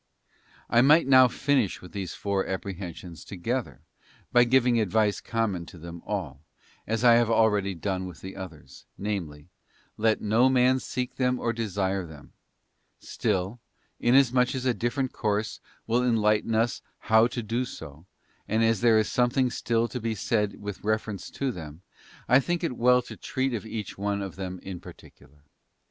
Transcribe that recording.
I might now finish with these four apprehensions together, by giving advice common to them all, as I have already done with the others — namely ; let no man seek them or desire them: still, inasmuch as a different course will en lighten us how to do so, and as there is something still to be said with reference to them, I think it well to treat of each one of them in particular.